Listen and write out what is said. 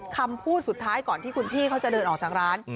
คำพูดสุดท้ายก่อนที่คุณพี่เขาจะเดินออกจากร้าน